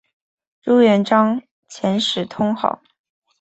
朱元璋遣使通好。